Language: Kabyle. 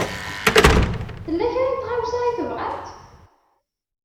Tella kra n tɣawsa i tebɣamt?